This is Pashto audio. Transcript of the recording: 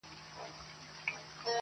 هسي نه چي د قصاب جوړه پلمه سي!